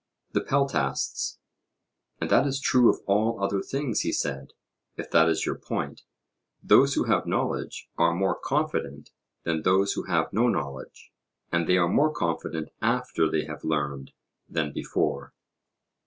The peltasts. And that is true of all other things, he said, if that is your point: those who have knowledge are more confident than those who have no knowledge, and they are more confident after they have learned than before.